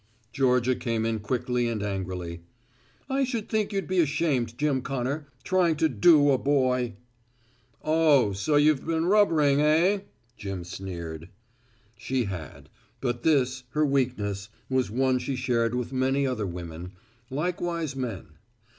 Georgia came in quickly and angrily. "I should think you'd be ashamed, Jim Connor, trying to do a boy." "Oh, so you've been rubbering, eh?" Jim sneered. She had; but this, her weakness, was one she shared with many other women likewise men.